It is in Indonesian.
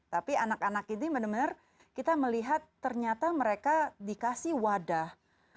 tapi anak anak ini benar benar kita melihat ternyata mereka dikasih wadah